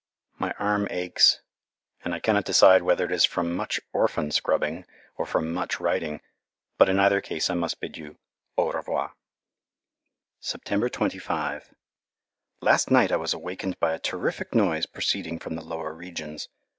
My arm aches and I cannot decide whether it is from much orphan scrubbing or from much writing, but in either case I must bid you au revoir. September 25 Last night I was awakened by a terrific noise proceeding from the lower regions.